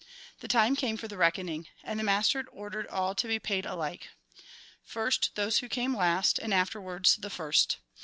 The time came for the reckoning. And the master ordered all to be paid alike. First, those who came last ; and afterwards, the first.